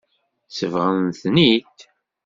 Sebɣent-ten-id.